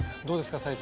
どうですか？